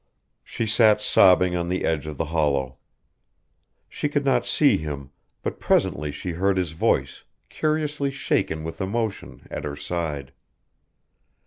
She sat sobbing on the edge of the hollow. She could not see him, but presently she heard his voice, curiously shaken with emotion, at her side.